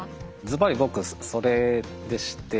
ずばり僕それでして。